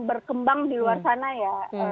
berkembang di luar sana ya